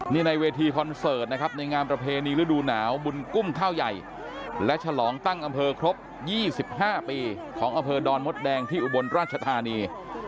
นี่ในเวทีคอนเสิร์ตนะครับในงานประเพณีฤดูหนาวบุญกุ้งข้าวใหญ่และฉลองตั้งอำเภอครบ๒๕ปีของอำเภอดอนมดแดงที่อุบลราชธานี